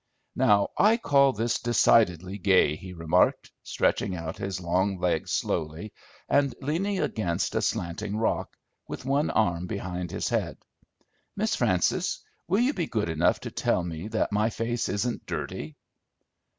"Now I call this decidedly gay," he remarked, stretching out his long legs slowly, and leaning against a slanting rock, with one arm behind his head. "Miss Frances, will you be good enough to tell me that my face isn't dirty?"